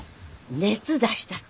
熱出したって。